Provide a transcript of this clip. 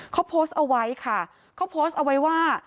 เขาโพสต์เอาไว้ค่ะเขาโพสต์เอาไว้ว่า